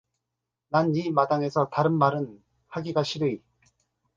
난 이 마당에서 다른 말은 하기가 싫으이.